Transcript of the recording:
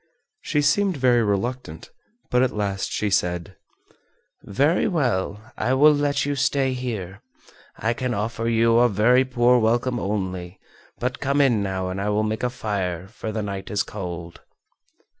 She seemed very reluctant, but at last she said: "Very well, I will let you stay here. I can offer you a very poor welcome only, but come in now and I will make a fire, for the night is cold."